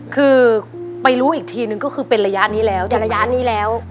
คือไปรู้อีกทีนึงก็คือเป็นระยะนี้แล้ว